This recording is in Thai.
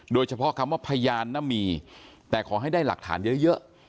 โดยเฉพาะคำว่าพยานน่ะมีแต่ขอให้ได้หลักฐานเยอะ